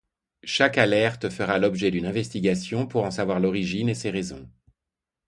Chaque alerte fera l’objet d’une investigation pour en savoir l’origine et ces raisons.